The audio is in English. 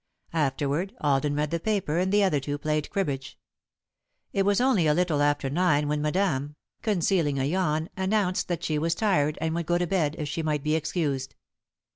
Afterward, Alden read the paper and the other two played cribbage. It was only a little after nine when Madame, concealing a yawn, announced that she was tired and would go to bed, if she might be excused.